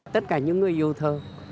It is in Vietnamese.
tất cả những người yêu thơ